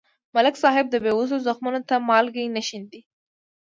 ملک صاحب د بېوزلو زخمونو ته مالګې نه شیندي.